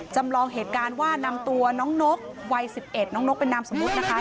จำลองเหตุการณ์ว่านำตัวน้องนกวัย๑๑น้องนกเป็นนามสมมุตินะคะ